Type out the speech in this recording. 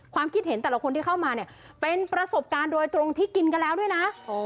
คิดเห็นแต่ละคนที่เข้ามาเนี่ยเป็นประสบการณ์โดยตรงที่กินกันแล้วด้วยนะ